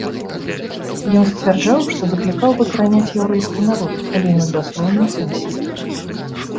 Ён сцвярджаў, што заклікаў выкараняць яўрэйскі народ, але не ў даслоўным сэнсе.